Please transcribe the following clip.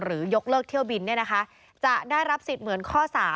ยกเลิกเที่ยวบินจะได้รับสิทธิ์เหมือนข้อ๓